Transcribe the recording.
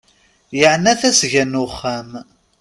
Yeɛna tasga n uxxam.